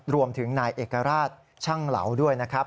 รวมถึงนายเอกราชช่างเหลาด้วยนะครับ